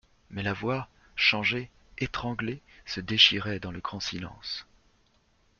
Mais la voix, changée, étranglée, se déchirait dans le grand silence.